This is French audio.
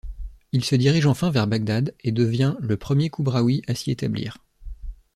Il se dirige enfin vers Baghdâd et devient le premier kubrâwî à s'y établir.